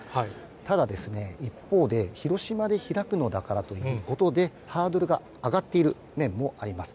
ただ、一方で広島で開くのだからということで、ハードルが上がっている面もあります。